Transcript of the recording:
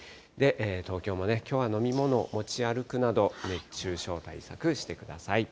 東京もきょうは飲み物持ち歩くなど、熱中症対策してください。